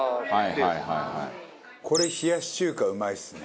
これ冷やし中華うまいですね。